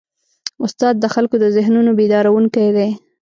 استاد د خلکو د ذهنونو بیدارونکی دی.